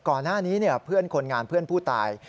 ก่อนหน้านี้เพื่อนคนงานเพื่อนผู้ตาย